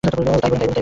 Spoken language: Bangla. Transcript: ওহ, তাই বলুন।